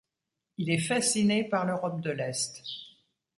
Il est fasciné par l’Europe de l’Est.